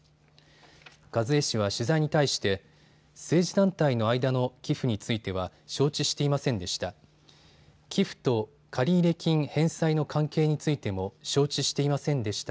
一衛氏は取材に対して政治団体の間の寄付については承知していませんでした。